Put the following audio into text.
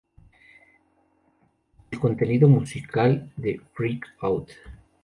El contenido musical de "Freak Out!